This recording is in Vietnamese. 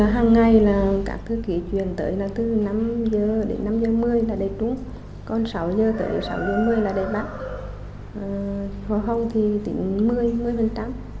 hàng ngày các thư ký chuyển tới từ năm h đến năm h một mươi là đề trúng còn sáu h tới sáu h một mươi là đề bạc hồi hôm thì tỉnh một mươi một mươi tám